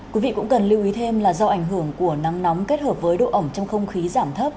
quý vị cũng cần lưu ý thêm là do ảnh hưởng của nắng nóng kết hợp với độ ẩm trong không khí giảm thấp